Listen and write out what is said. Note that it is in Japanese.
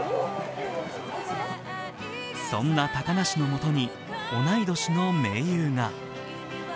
そんな高梨のもとに同い年の盟友が。